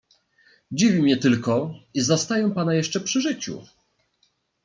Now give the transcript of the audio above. "Dziwi mnie tylko, iż zastaję pana jeszcze przy życiu."